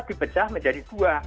dipecah menjadi dua